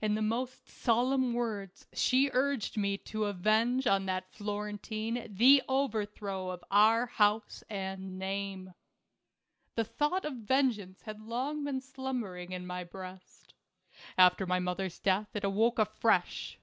In the most solemn words she urged me to avenge on that Florentine the overthrow of our house arid name. The thought of vengeance had long been slum bering in my breast. After my mother's death it awoke afresh.